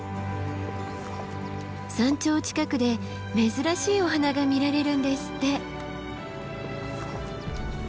山頂近くで珍しいお花が見られるんですって。